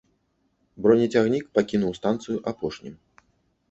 Бронецягнік пакінуў станцыю апошнім.